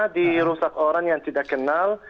dirusak orang yang tidak kenal